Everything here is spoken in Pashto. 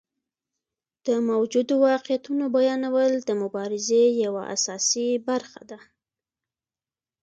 د موجودو واقعیتونو بیانول د مبارزې یوه اساسي برخه ده.